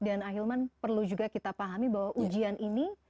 dan ahilman perlu juga kita pahami bahwa ujian ini